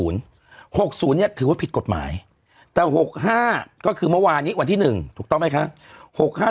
ถือว่าผิดกฎหมายแต่๖๕ก็คือเมื่อวานนี้วันที่๑ถูกต้องไหมคะ